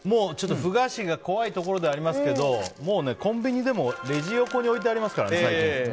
ふ菓子が怖いところではありますけどもうコンビニでもレジ横に置いてありますからね最近。